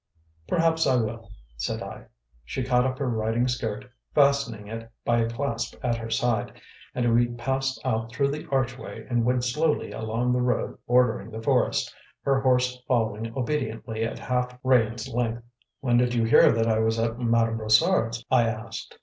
"Perhaps I will," said I. She caught up her riding skirt, fastening it by a clasp at her side, and we passed out through the archway and went slowly along the road bordering the forest, her horse following obediently at half rein's length. "When did you hear that I was at Madame Brossard's?" I asked.